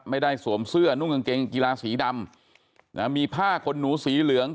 สวมเสื้อนุ่งกางเกงกีฬาสีดำนะมีผ้าขนหนูสีเหลือง